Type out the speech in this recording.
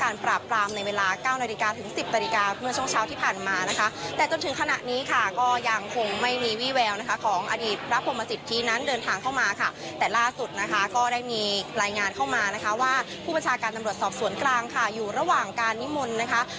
รายงานเข้ามานะคะว่าผู้ประชาการสำรวจสอบสวนกลางค่ะอยู่ระหว่างการนิมนต์นะคะ